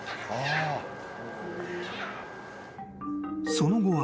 ［その後は］